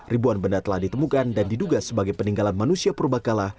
ribuan benda telah ditemukan dan diduga sebagai peninggalan manusia purba kala